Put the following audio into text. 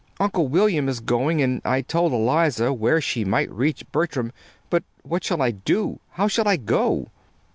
Uncle William is going, and I told Eliza where she might reach Bertram; but what shall I do? How shall I go?"